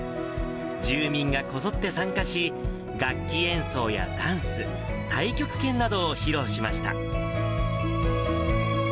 住民がこぞって参加し、楽器演奏やダンス、太極拳などを披露しました。